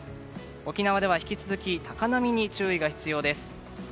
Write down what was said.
沖縄では引き続き高波に注意が必要です。